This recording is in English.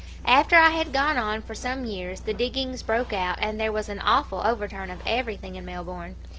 After I had gone on for some years the diggings broke out, and there was an awful overturn of everything in Melbourne.